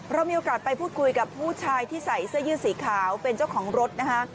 เรามีโอกาสไปพูดคุยกับผู้ชายที่ใส่เสื้อยืดสีขาวเป็นเจ้าของรถนะคะ